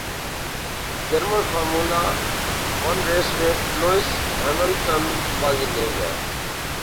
German formula one race میں Lewis Hamilton بازی لے گئے